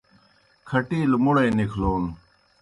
کھٹِیلہ مُڑے نِکھلون